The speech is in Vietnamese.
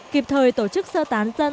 kịp thời tổ chức sơ tán dân